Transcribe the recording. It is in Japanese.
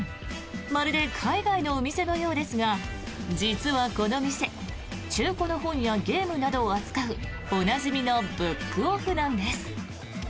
まるで海外のお店のようですが実は、この店中古の本やゲームなどを扱うおなじみのブックオフなんです。